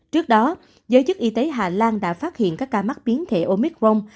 trước đó giới chức y tế hà lan đã phát hiện các ca mắc biến thể omicron